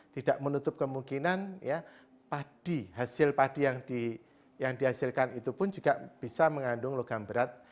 tidak menutup kemungkinan ya padi hasil padi yang dihasilkan itu pun juga bisa mengandung logam berat